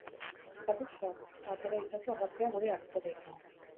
Zatoz eta atera itzazu argazkiak gure aktoreekin!